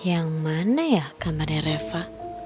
yang mana ya kamarnya reva